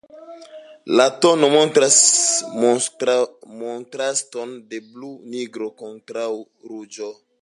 La tono montras kontraston de blu-nigro kontraŭ ruĝo.